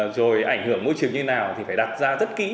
rồi ảnh hưởng môi trường như thế nào thì phải đặt ra rất kỹ